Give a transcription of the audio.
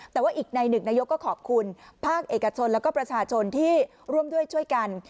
แต่ว่าอีกในหนึ่งนายกก็ขอบคุณภาคเอกชนแล้วก็ประชาชนที่ร่วมด้วยช่วยกัน